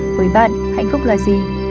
với bạn hạnh phúc là gì